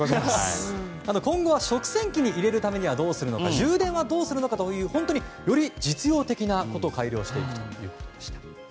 今後は食洗機に入れるためにはどうするか充電はどうするかというより実用的なことを改良していくということでした。